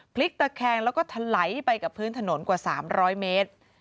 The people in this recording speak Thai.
พลิกตะแคงแล้วก็ถลายไปกับพื้นถนนกว่า๓๐๐เมตร